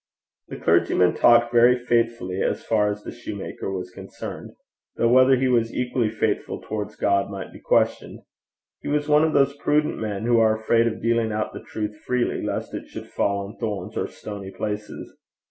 The clergyman talked very faithfully as far as the shoemaker was concerned; though whether he was equally faithful towards God might be questioned. He was one of those prudent men, who are afraid of dealing out the truth freely lest it should fall on thorns or stony places.